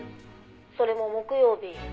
「それも木曜日」